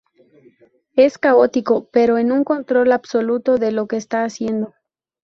Es caótico pero con un control absoluto de lo que está haciendo.